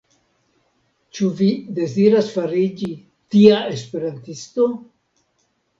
Ĉu vi deziras fariĝi tia Esperantisto?